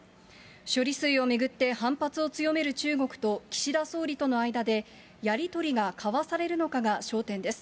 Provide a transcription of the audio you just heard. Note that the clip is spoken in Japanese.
処理水を巡って反発を強める中国と岸田総理との間で、やり取りが交わされるのかが焦点です。